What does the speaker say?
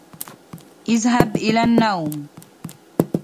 اذهب إلى النوم